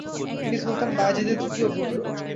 তিনি সুলতান বায়েজীদের তৃতীয় পুত্র।